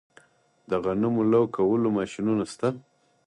د غنمو لو کولو ماشینونه شته